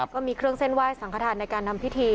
ก็มีเครื่องเส้นไหว้สังขทานในการทำพิธี